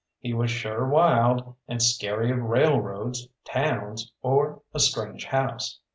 He was sure wild and scary of railroads, towns, or a strange house.